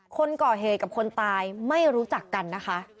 คนก่อเหตุกับคนตายไม่รู้จักกันนะคะ